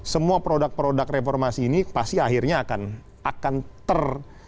semua produk produk reformasi ini pasti akhirnya akan ter